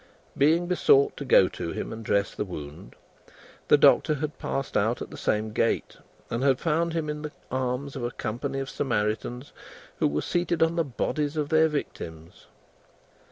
Being besought to go to him and dress the wound, the Doctor had passed out at the same gate, and had found him in the arms of a company of Samaritans, who were seated on the bodies of their victims.